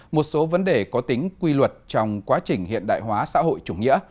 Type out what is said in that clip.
một số vấn đề có tính quy luật trong quá trình hiện đại hóa xã hội chủ nghĩa